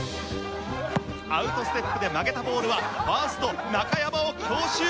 アウトステップで曲げたボールはファースト中山を強襲！